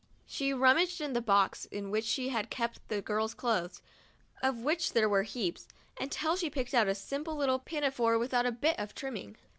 She rummaged in the box in which she kept the girls' clothes, of which there were heaps, until she picked out a simple little pinafore without a bit of trimming.